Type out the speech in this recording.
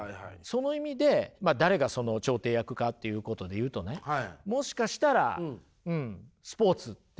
その意味で誰が調停役かっていうことで言うとねもしかしたらスポーツっていうことなのかもしれませんね。